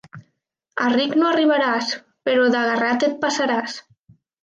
A ric no arribaràs, però d'agarrat et passaràs.